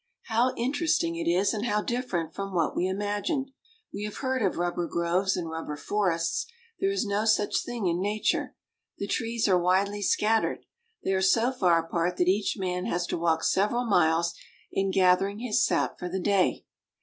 How interesting it is, and how different from what we imagined! We have heard of rubber groves and rubber forests. There is no such thing in nature. The trees are widely scattered. They are so far apart that each man has to walk several miles in gathering his sap for the day.